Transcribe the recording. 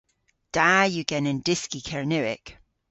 Da yw genen dyski Kernewek.